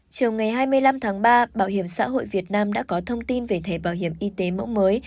chiều ngày hai mươi năm tháng ba bảo hiểm xã hội việt nam đã có thông tin về thẻ bảo hiểm y tế mẫu mới